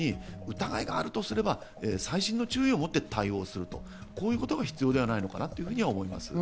疑いがあるとすれば細心の注意をもって対応する、こういうことが必要ではないのかなと思います。